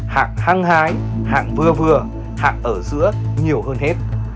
hạng hăng hái hạng vừa vừa hạng ở giữa nhiều hơn hết